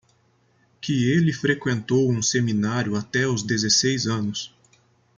Que ele frequentou um seminário até os dezesseis anos.